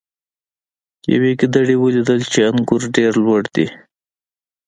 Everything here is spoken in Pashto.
یوې ګیدړې ولیدل چې انګور ډیر لوړ دي.